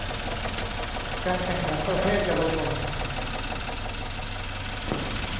การแข่งขันประเภทเยาวชน